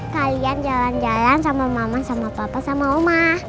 kalian jalan jalan sama mama sama papa sama omah